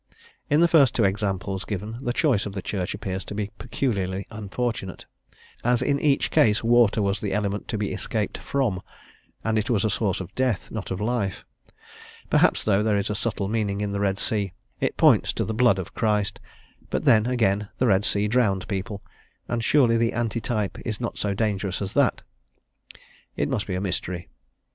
In the two first examples given the choice of the Church appears to be peculiarly unfortunate, as in each case water was the element to be escaped from, and it was a source of death, not of life; perhaps, though, there is a subtle meaning in the Red Sea, it points to the blood of Christ: but then, again, the Red Sea drowned people, and surely the anti type is not so dangerous as that? It must be a mystery.